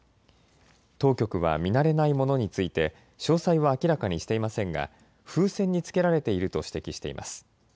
当局は見慣れない物について詳細は明らかにしていませんが風船に付けられていると指摘しています。